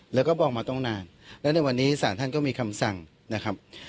แล้วก็บอกมาต้องนานและในวันนี้ศาลท่านก็มีคำสั่งนะครับ